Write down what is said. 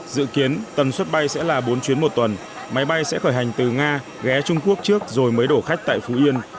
dự kiến tần suất bay sẽ là bốn chuyến một tuần máy bay sẽ khởi hành từ nga ghé trung quốc trước rồi mới đổ khách tại phú yên